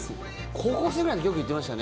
高校生ぐらいのとき、よく行ってましたね。